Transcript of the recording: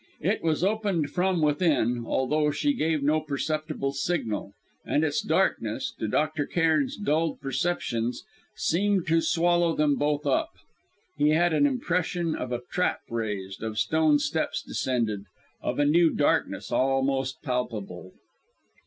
It was opened from within, although she gave no perceptible signal, and its darkness, to Dr. Cairn's dulled perceptions, seemed to swallow them both up. He had an impression of a trap raised, of stone steps descended, of a new darkness almost palpable.